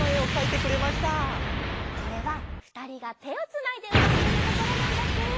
これはふたりがてをつないでうたっているところなんだって。